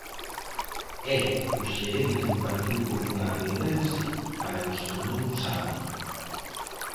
É o xerente do Partido Popular de Ourense, para os que non o saben.